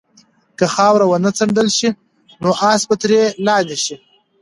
که خاوره ونه څنډل شي نو آس به ترې لاندې شي.